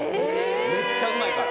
めっちゃうまいから。